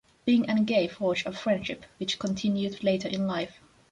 Bing and Gaye forged a friendship, which continued later in life.